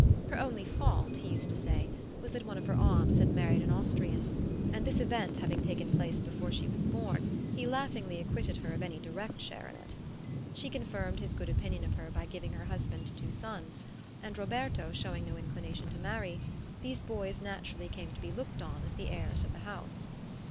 Her only fault, he used to say, was that one of her aunts had married an Austrian; and this event having taken place before she was born he laughingly acquitted her of any direct share in it. She confirmed his good opinion of her by giving her husband two sons; and Roberto showing no inclination to marry, these boys naturally came to be looked on as the heirs of the house.